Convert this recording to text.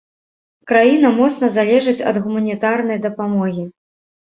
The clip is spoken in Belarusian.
Краіна моцна залежыць ад гуманітарнай дапамогі.